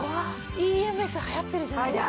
ＥＭＳはやってるじゃないですか。